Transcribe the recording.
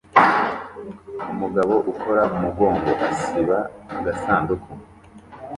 Umugabo ukora umugongo asiba agasanduku